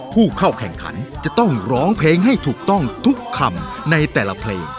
ผู้เข้าแข่งขันจะต้องร้องเพลงให้ถูกต้องทุกคำในแต่ละเพลง